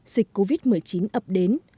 dịch covid một mươi chín ập đến